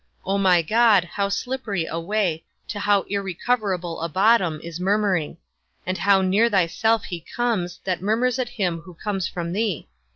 O my God, how slippery a way, to how irrecoverable a bottom, is murmuring; and how near thyself he comes, that murmurs at him who comes from thee!